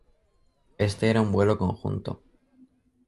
Este era un vuelo conjunto.